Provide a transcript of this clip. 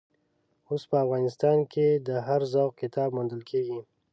اوس په افغانستان کې د هر ذوق کتاب موندل کېږي.